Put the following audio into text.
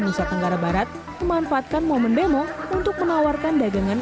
nusa tenggara barat memanfaatkan momen demo untuk menawarkan dagangan